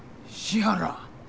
石原。